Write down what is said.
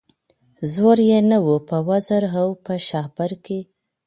زور یې نه وو په وزر او په شهپر کي